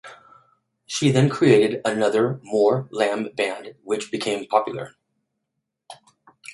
She then created another Mor lam band which became popular.